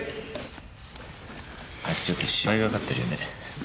あいつちょっと芝居がかってるよね。